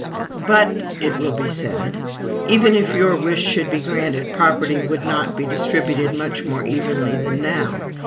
"But," it will be said, "even if your wish should be granted, property would not be distributed much more evenly than now.